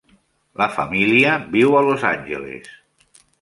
La família viu a Los Angeles.